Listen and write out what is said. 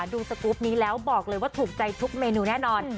ดูสกรูปนี้แล้วบอกเลยว่าถูกใจทุกเมนูแน่นอน